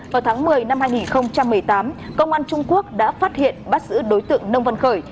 vào tháng một mươi năm hai nghìn một mươi tám công an trung quốc đã phát hiện bắt giữ đối tượng nông văn khởi